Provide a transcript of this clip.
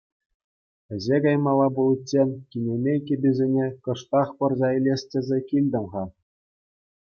Еҫе каймалла пуличчен кинемей кӗписене кӑштах пӑрса илес тесе килтӗм-ха.